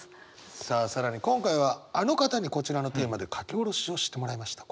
さあ更に今回はあの方にこちらのテーマで書き下ろしをしてもらいました。